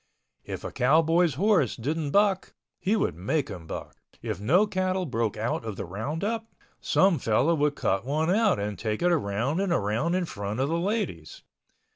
If a cowboy's horse didn't buck, he would make him buck. If no cattle broke out of the roundup, some fellow would cut one out and take it around and around in front of the ladies.